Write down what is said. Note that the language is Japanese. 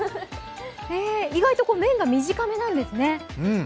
意外と麺が短めなんですね。